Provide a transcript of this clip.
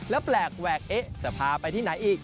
และแปลกแหวกจะพาไปที่ไหนอีก